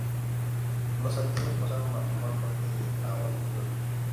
Los activos pasaron a formar parte de Hapag-Lloyd.